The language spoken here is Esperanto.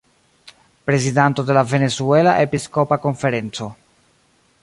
Prezidanto de la "Venezuela Episkopa Konferenco".